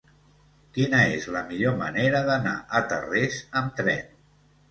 Quina és la millor manera d'anar a Tarrés amb tren?